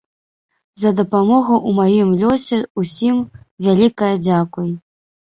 За дапамогу ў маім лёсе ўсім вялікае дзякуй!